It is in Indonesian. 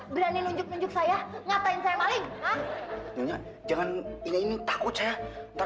berani nunjuk nunjuk saya nyatain saya maling jangan ini takut saya